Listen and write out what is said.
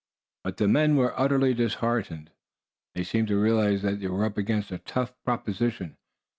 But the men were utterly disheartened. They seemed to realize that they were up against a tough proposition.